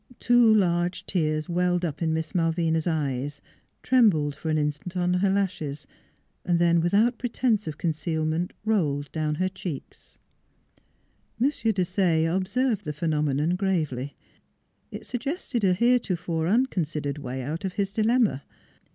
Two large tears welled up in Miss Malvina's eyes, trembled for an instant on her lashes, then without pretense of concealment rolled down her cheeks. M. Desaye observed the phenomenon gravely. It suggested a heretofore unconsidered way out of his dilemma.